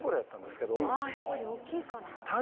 あやっぱり大きいから。